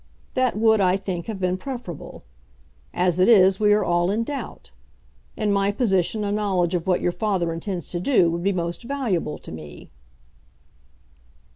That would, I think, have been preferable. As it is we are all in doubt. In my position a knowledge of what your father intends to do would be most valuable to me."